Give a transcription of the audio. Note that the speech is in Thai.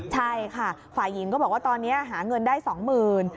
ใช่ค่ะฝ่ายหญิงก็บอกว่าตอนนี้หาเงินได้๒๐๐๐บาท